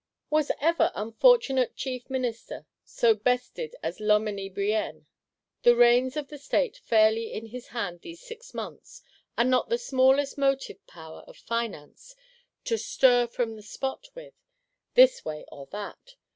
Was ever unfortunate Chief Minister so bested as Loménie Brienne? The reins of the State fairly in his hand these six months; and not the smallest motive power (of Finance) to stir from the spot with, this way or that!